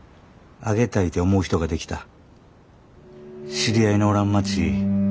知り合いのおらん街